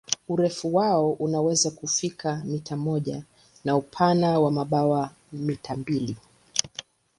Urefu wao unaweza kufika mita moja na upana wa mabawa mita mbili.